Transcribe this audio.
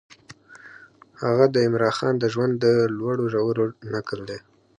هغه د عمرا خان د ژوند د لوړو ژورو نکل دی.